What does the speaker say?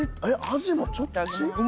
味もちょっと違う。